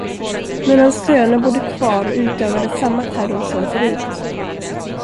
Men hans söner bodde kvar och utövade samma terror som förut.